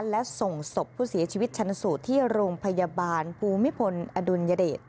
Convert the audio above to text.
และส่งศพผู้เสียชีวิตชันสูตรที่โรงพยาบาลภูมิพลอดุลยเดช